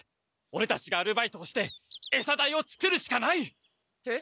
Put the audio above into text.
オレたちがアルバイトをしてエサ代を作るしかない！へ？